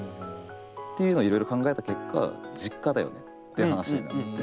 っていうのをいろいろ考えた結果「実家だよね」って話になって。